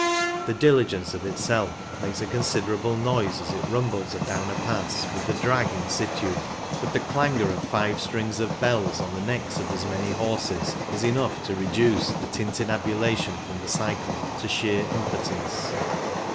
The diligence of itself makes a considerable noise as it rumbles adown a pass with the drag in sitUy but the clangour of five strings of bells, on the necks of as many horses, is enough to reduce the tintinnabulation from the cycle to sheer impotence.